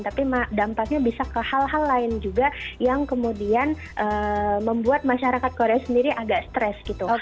tapi dampaknya bisa ke hal hal lain juga yang kemudian membuat masyarakat korea sendiri agak stres gitu